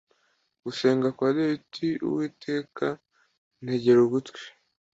gusenga kwa dawidi uwiteka ntegera ugutwi